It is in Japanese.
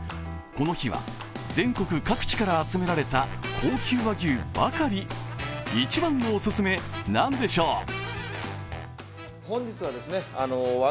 この日は、全国各地から集められた高級和牛ばかり一番のお勧め、何でしょう？